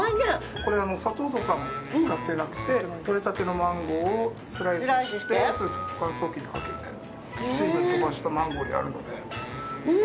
これ砂糖とかも使ってなくて取れたてのマンゴーをスライスして乾燥機にかけて水分飛ばしたマンゴーになるので。